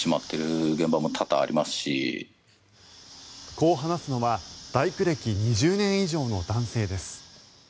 こう話すのは大工歴２０年以上の男性です。